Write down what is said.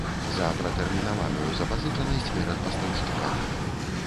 За пратэрмінаваную запазычанасць перад пастаўшчыкамі.